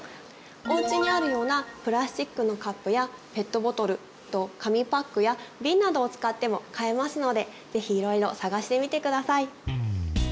おうちにあるようなプラスチックのカップやペットボトル紙パックや瓶などを使っても飼えますので是非いろいろ探してみて下さい。